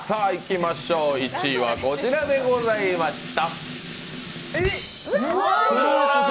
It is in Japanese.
１位はこちらでございました。